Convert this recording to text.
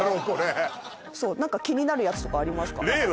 これそう何か気になるやつとかありますか？